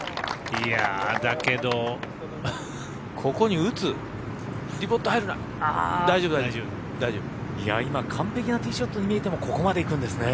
いや、今、完璧なティーショットに見えてもここまで行くんですね。